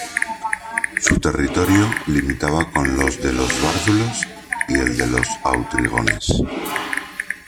Su territorio limitaba con los de los várdulos y el de los autrigones.